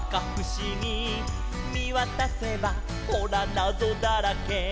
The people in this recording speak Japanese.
「みわたせばほらなぞだらけ」